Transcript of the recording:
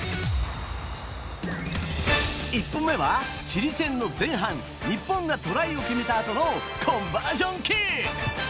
１本目はチリ戦の前半日本がトライを決めたあとのコンバージョンキック。